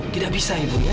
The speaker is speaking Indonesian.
tidak bisa ibu ya